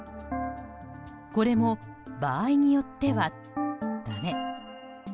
これも場合によっては、だめ。